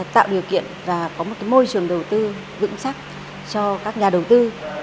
tạo điều kiện và có một môi trường đầu tư vững chắc cho các nhà đầu tư